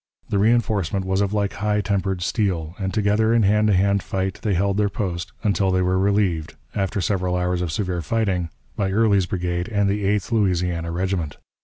The reënforcement was of like high tempered steel, and together in hand to hand fight they held their post until they were relieved, after several hours of severe fighting, by Early's brigade and the Eighth Louisiana Regiment.